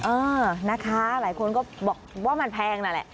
เออนะคะหลายคนก็บอกว่ามันแพงนั่นแหละ